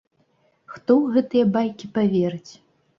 Хто ў гэтыя байкі паверыць?